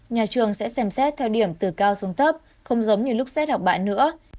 nhà trường sẽ xem xét theo điểm từ cao xuống thấp không giống như lúc xét học bại nữa